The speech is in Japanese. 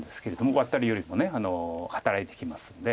ワタリよりも働いてきますんで。